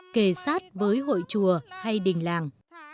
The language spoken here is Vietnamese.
hát với hội chùa hay đình làng